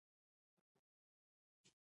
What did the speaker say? طبیعي زیرمې د افغانانو د ګټورتیا برخه ده.